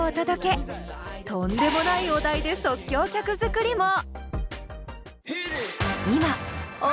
とんでもないお題で即興曲作りも！